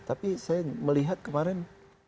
tapi saya melihat kemarin